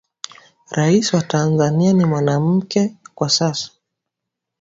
Raisi wa tanzania ni mwanamuke kwa sasa